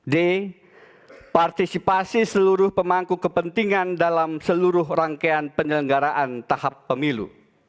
d partisipasi seluruh pemangku kepentingan dalam seluruh rangkaian penyelenggaraan tahap pemilu